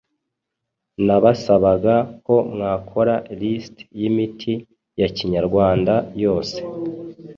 nabasabaga ko mwakora list yimiti yakinyarwanda yose